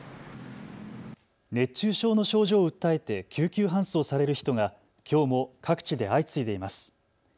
熱中症の症状を訴えて救急搬送される人がきょうも各地で相次いでいます。